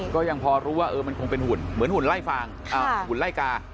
ก็ยังพอรู้ว่ามันคงเป็นหุ่นเหมือนหุ่นไล่ฟางหุ่นไล่กา